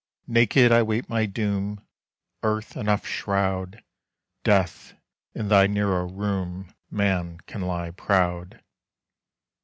Naked I wait my doom! Earth enough shroud! Death, in thy narrow room Man can lie proud!